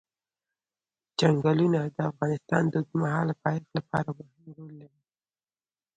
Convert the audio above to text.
چنګلونه د افغانستان د اوږدمهاله پایښت لپاره مهم رول لري.